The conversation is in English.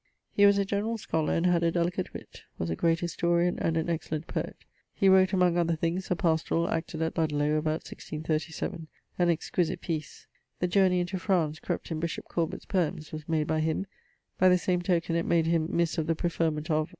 He was a generall scolar, and had a delicate witt; was a great historian, and an excellent poet. He wrote, among other things, ..., a Pastorall, acted at Ludlowe about 1637, an exquisite piece. The Journey into France, crept in bishop Corbet's poems, was made by him, by the same token it made him misse of the preferment of